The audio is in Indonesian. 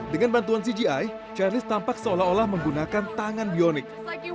dengan bantuan cgi charles tampak seolah olah menggunakan tangan bionik